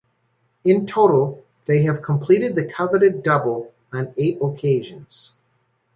In total, they have completed the coveted Double on eight occasions.